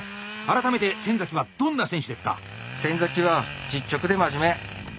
改めて先はどんな選手ですか？